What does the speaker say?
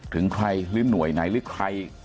ถึงใครในหน่วยไหนทรึกใคร